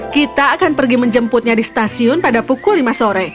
kita akan pergi menjemputnya di stasiun pada pukul lima sore